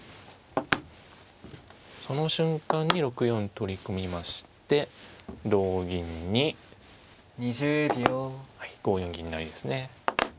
その瞬間に６四取り込みまして同銀に５四銀成ですね。